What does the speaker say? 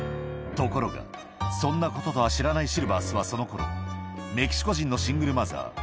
ところがそんなこととは知らないシルバースはその頃メキシコ人のシングルマザー